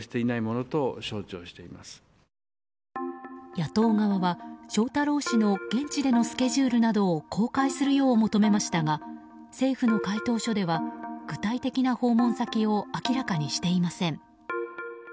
野党側は、翔太郎氏の現地でのスケジュールなどを公開するよう求めましたが政府の回答書では具体的な訪問先を明らかにしていません。